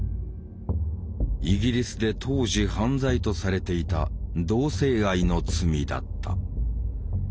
イギリスで当時犯罪とされていた同性愛の罪だった。